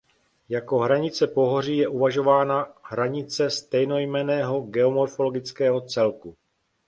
Jako hranice pohoří je uvažována hranice stejnojmenného geomorfologického celku.